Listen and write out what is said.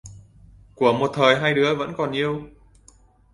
Của một thời hai đứa vẫn còn yêu...